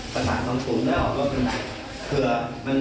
แบสบนิดนึงแกนี่ก็จะไม่รอดอย่างถึง